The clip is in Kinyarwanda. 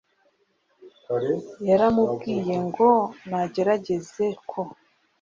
yaramubwiyengo nagerageze ko